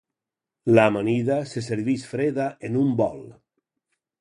L'amanida se servix freda en un bol.